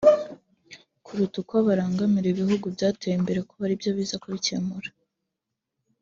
kuruta uko barangamira ibihugu byateye imbere kuba aribyo biza kubicyemura